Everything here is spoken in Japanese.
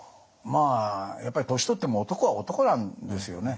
まあやっぱり年取っても男は男なんですよね。